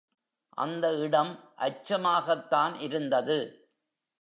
அந்த இடம் அச்சமாகத்தான் இருந்தது.